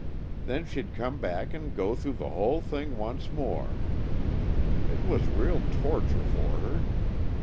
Then she'd come back and go through the whole thing once more. It was real torture for her.